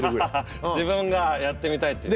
自分がやってみたいっていうね。